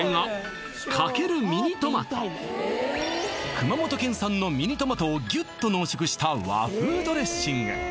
熊本県産のミニトマトをギュッと濃縮した和風ドレッシング